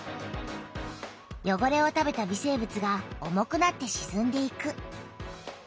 よごれを食べた微生物が重くなってしずんでいく。